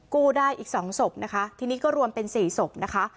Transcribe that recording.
กู้ได้อีกสองศพนะคะทีนี้ก็รวมเป็นสี่ศพนะคะ